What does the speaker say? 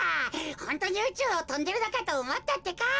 ホントにうちゅうをとんでるのかとおもったってか。